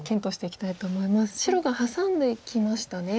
白がハサんでいきましたね。